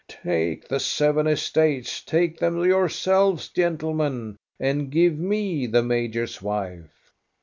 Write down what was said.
"Take the seven estates; take them yourselves, gentlemen, and give me the major's wife